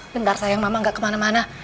bentar sayang mama gak kemana mana